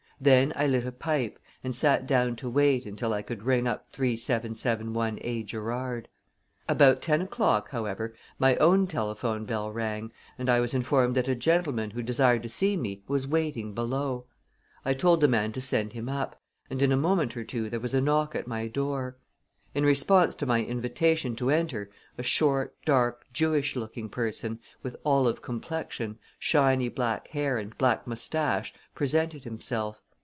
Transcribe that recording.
Then I lit a pipe and sat down to wait until I could ring up 3771A Gerrard. About ten o'clock, however, my own telephone bell rang, and I was informed that a gentleman who desired to see me was waiting below. I told the man to send him up, and in a moment or two there was a knock at my door. In response to my invitation to enter a short, dark, Jewish looking person, with olive complexion, shiny black hair and black mustache, presented himself.